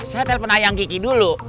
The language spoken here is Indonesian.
saya telepon ayang kiki dulu